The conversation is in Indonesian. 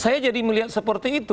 saya jadi melihat seperti itu